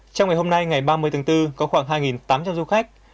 trong ngày hôm nay ngày ba mươi tháng bốn có khoảng hai tám trăm linh du khách